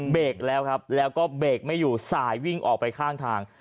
เบรกแล้วครับแล้วก็เบรกไม่อยู่สายวิ่งออกไปข้างทาง